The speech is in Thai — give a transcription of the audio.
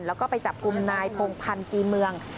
แล้วก็ไปจับกลุ่มนายพงพันธ์จีเมือง